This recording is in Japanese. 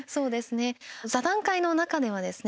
座談会の中ではですね